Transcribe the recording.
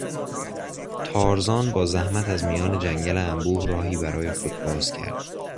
تارزان با زحمت از میان جنگل انبوه راهی برای خود باز کرد.